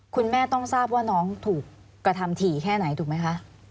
คุณแม่ต้องทราบว่าน้องถูกกระทำถี่แค่ไหนถูกไหมคะ